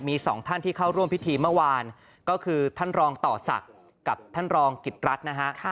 มีสองท่านที่เข้าร่วมพิธีเมื่อวานก็คือท่านรองต่อศักดิ์กับท่านรองกิจรัฐนะฮะ